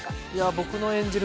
僕の演じる